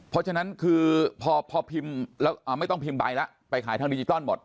เพราะฉะนั้นคือพอพิมพ์แล้วไม่ต้องพิมพ์ใบแล้วไปขายทางดิจิตอลหมด